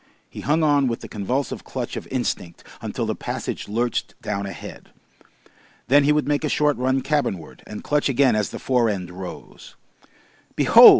He hung on with the convulsive clutch of instinct until the passage lurched down ahead. Then he would make a short run cabin ward, and clutch again as the fore end rose. Behold!